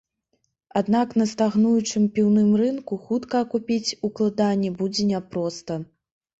Аднак на стагнуючым піўным рынку хутка акупіць укладанні будзе няпроста.